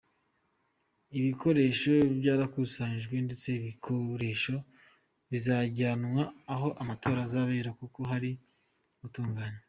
Ibikoresho byarakusanyijwe ndetse ibikoresho bizajyanwa aho amatora azabera kuko hari gutunganywa.